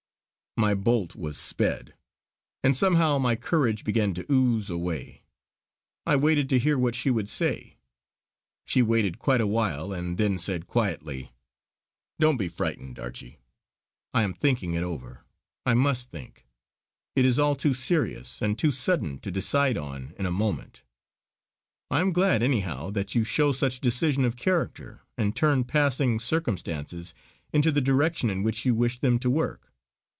My bolt was sped, and somehow my courage began to ooze away. I waited to hear what she would say. She waited quite a while and then said quietly: "Don't be frightened, Archie, I am thinking it over. I must think; it is all too serious and too sudden to decide on in a moment. I am glad, anyhow, that you show such decision of character, and turn passing circumstances into the direction in which you wish them to work.